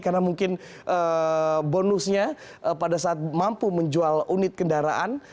karena mungkin bonusnya pada saat mampu menjual unit kendaraan